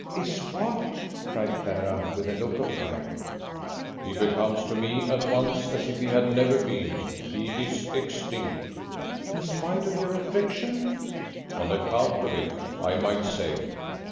"Is what?" cried Clara, with a look of fright. "He becomes to me at once as if he had never been. He is extinct." "In spite of your affection?" "On account of it, I might say.